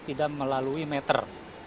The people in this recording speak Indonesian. tidak melalui meter